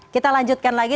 kita lanjutkan lagi